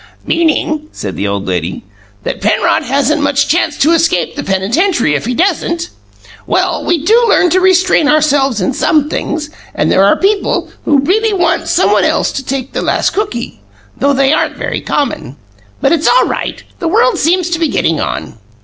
"Meaning," said the old lady, "that Penrod hasn't much chance to escape the penitentiary if he doesn't? Well, we do learn to restrain ourselves in some things; and there are people who really want someone else to take the last cookie, though they aren't very common. But it's all right, the world seems to be getting on."